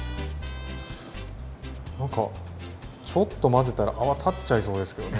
なんかちょっと混ぜたら泡立っちゃいそうですけどね。